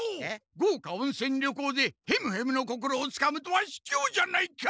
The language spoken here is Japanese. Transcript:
豪華温泉旅行でヘムヘムの心をつかむとはひきょうじゃないか！